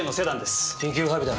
緊急配備だ。